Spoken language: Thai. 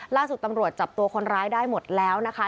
ล่าสุดตำรวจจับตัวคนร้ายได้หมดแล้วนะคะ